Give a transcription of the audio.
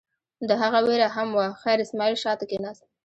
د هغه وېره هم وه، خیر اسماعیل شا ته کېناست.